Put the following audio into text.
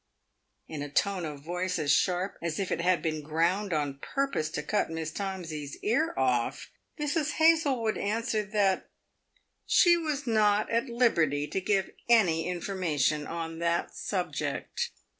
; In a tone of voice as sharp as if it had been ground on purpose to PAVED WITH GOLD. 273 cut Miss Toinsey's ear off, Mrs. Hazlewood answered that "she was not at liberty to give any information on that subject."